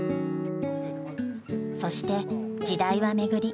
そして時代は巡り